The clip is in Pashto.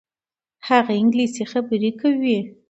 هغه انګلیسي خبرې کوي.